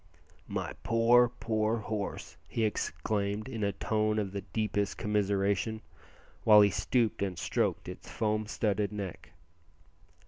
"My poor, poor horse!" he exclaimed in a tone of the deepest commiseration, while he stooped and stroked its foam studded neck.